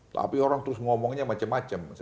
tapi orang terus ngomongnya macam macam